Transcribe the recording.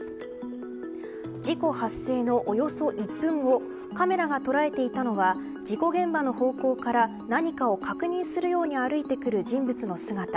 事故発生のおよそ１分後カメラが捉えていたのは事故現場の方向から何かを確認するように歩いてくる人物の姿。